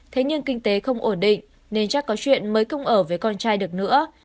thế nhưng kinh tế không ổn định nên chắc có chuyện mới không ở với con trai được nữa